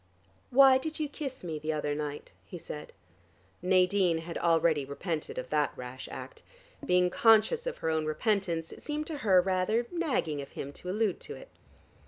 "Why did you kiss me the other night?" he said. Nadine had already repented of that rash act. Being conscious of her own repentance, it seemed to her rather nagging of him to allude to it.